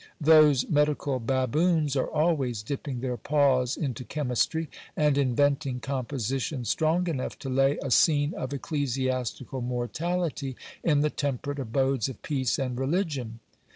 Those medical baboons are always dipping their paws into chemistry, and inventing compositions strong enough to lay a scene of ecclesiastical mortality in the temperate abodes of peace and religion.